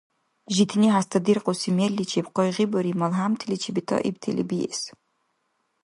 Житни хӀязтадиркьуси мерличиб къайгъибариб малхӀямтили чебетаибтили биэс.